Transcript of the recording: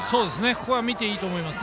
ここは見ていいと思います。